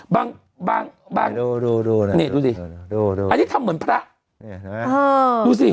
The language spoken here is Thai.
บางนี่ดูสิอันนี้ทำเหมือนพระดูสิ